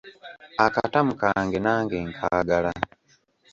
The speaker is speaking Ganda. Akatamu kange nange nkaagala.